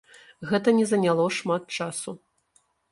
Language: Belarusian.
Гэта не заняло шмат часу.